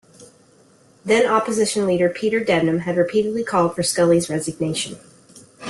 Then Opposition leader Peter Debnam had repeatedly called for Scully's resignation.